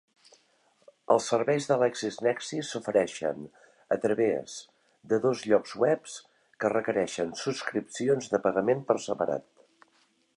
Els serveis de LexisNexis s'ofereixen a través de dos llocs web que requereixen subscripcions de pagament per separat.